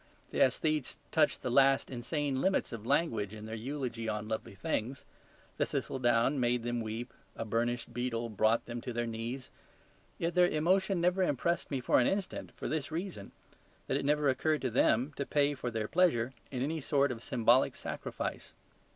The aesthetes touched the last insane limits of language in their eulogy on lovely things. The thistledown made them weep; a burnished beetle brought them to their knees. Yet their emotion never impressed me for an instant, for this reason, that it never occurred to them to pay for their pleasure in any sort of symbolic sacrifice.